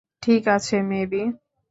ঠিক আছে, মেবি।